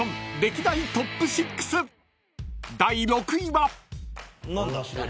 ［第６位は］